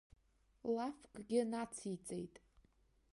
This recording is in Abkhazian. Лафкгьы нациҵеит.